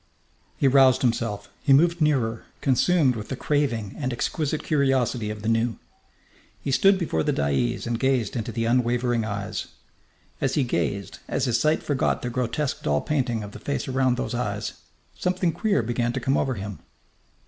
He roused himself. He moved nearer, consumed with the craving and exquisite curiosity of the new. He stood before the dais and gazed into the unwavering eyes. As he gazed, as his sight forgot the grotesque doll painting of the face around those eyes, something queer began to come over him.